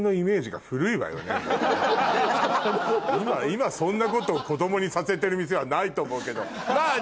今そんなことを子供にさせてる店はないと思うけど。